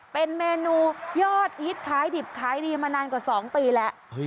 เป็นเมนูยอดฮิตขายดิบขายดีมานานกว่า๒ปีแล้ว